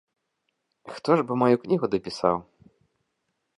Хто ж бы маю кнігу дапісаў?